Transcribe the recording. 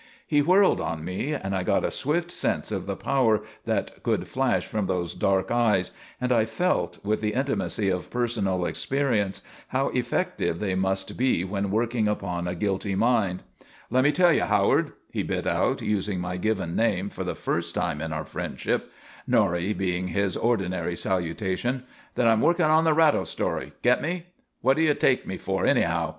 He whirled on me: and I got a swift sense of the power that could flash from those dark eyes, and I felt, with the intimacy of personal experience, how effective they must be when working upon a guilty mind. "Let me tell you, Howard," he bit out, using my given name for the first time in our friendship, "Norrie" being his ordinary salutation, "that I'm working on the Ratto story. Get me? What do you take me for, anyhow?